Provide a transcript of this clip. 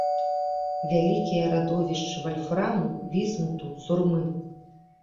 Вялікія радовішчы вальфраму, вісмуту, сурмы.